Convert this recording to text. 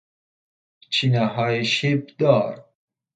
چینههای شیبدار